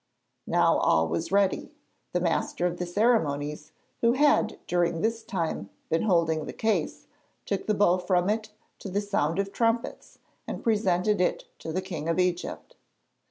Now all was ready: the master of the ceremonies, who had during this time been holding the case, took the bow from it to the sound of trumpets, and presented it to the King of Egypt.